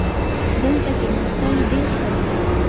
دلته کښېناستل ډېر ښه دي.